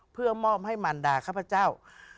เพื่อมอบให้มันดาข้าพเจ้า